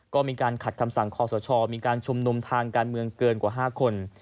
ก็มีการขัดคำสั่งคอสชมีการชุมนุมทางการเมืองเกินกว่า๕คน